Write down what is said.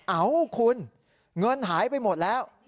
เอ้าคุณเงินหายไปหมดแล้ว